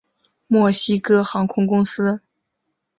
墨西哥航空公司。